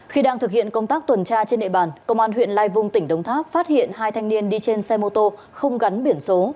khi đang thực hiện công tác tuần tra trên địa bàn công an huyện lai vung tỉnh đống tháp phát hiện hai thanh niên đi trên xe mô tô không gắn biển số